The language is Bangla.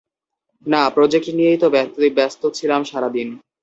না, প্রজেক্ট নিয়েই তো ব্যতিব্যস্ত ছিলাম সারাদিন।